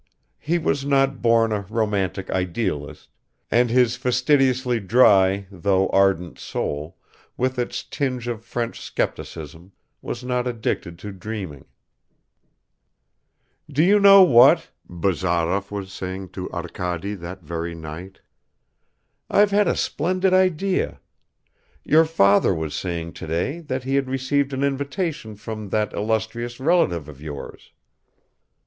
He was not born a romantic idealist, and his fastidiously dry though ardent soul, with its tinge of French scepticism, was not addicted to dreaming ... "Do you know what?" Bazarov was saying to Arkady that very night. "I've had a splendid idea. Your father was saying today that he had received an invitation from that illustrious relative of yours.